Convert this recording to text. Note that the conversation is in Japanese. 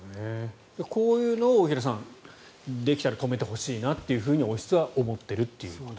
こういうのを大平さんできたら止めてほしいなっていうふうに王室は思っていると。